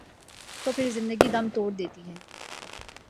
تو پھر زندگی دم توڑ دیتی ہے۔